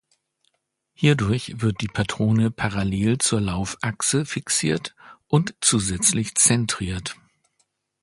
Hierdurch wird die Patrone parallel zur Laufachse fixiert und zusätzlich zentriert.